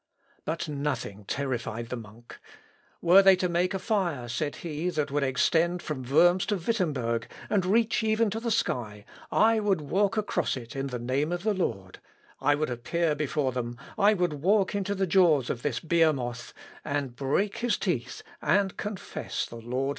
But nothing terrified the monk. "Were they to make a fire," said he, "that would extend from Worms to Wittemberg, and reach even to the sky, I would walk across it in the name of the Lord; I would appear before them; I would walk into the jaws of this Behemoth, and break his teeth, and confess the Lord Jesus Christ."